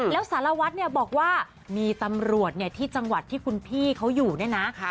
แล้วสารวัตรเนี่ยบอกว่ามีตำรวจที่จังหวัดที่คุณพี่เขาอยู่เนี่ยนะ